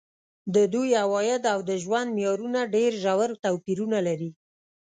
د دوی عواید او د ژوند معیارونه ډېر ژور توپیرونه لري.